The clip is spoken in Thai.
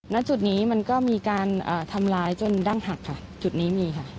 ณจุดนี้มันก็มีการทำร้ายจนดั้งหักค่ะจุดนี้มีค่ะ